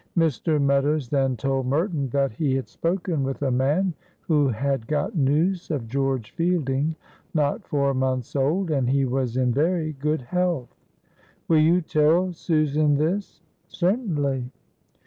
Mr. Meadows then told Merton that he had spoken with a man who had got news of George Fielding not four months old, and he was in very good health. "Will you tell Susan this?" "Certainly."